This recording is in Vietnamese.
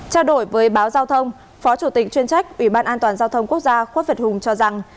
trao đổi với báo giao thông phó chủ tịch chuyên trách ủy ban an toàn giao thông quốc gia khuất việt hùng cho rằng